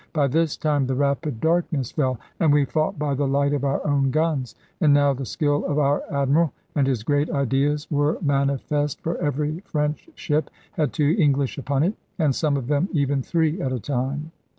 By this time the rapid darkness fell, and we fought by the light of our own guns. And now the skill of our Admiral and his great ideas were manifest, for every French ship had two English upon it, and some of them even three at a time.